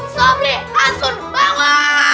sobleh asun bawa